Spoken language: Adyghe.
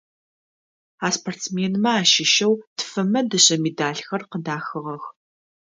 А спортсменмэ ащыщэу тфымэ дышъэ медалхэр къыдахыгъэх.